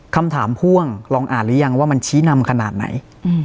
พ่วงลองอ่านหรือยังว่ามันชี้นำขนาดไหน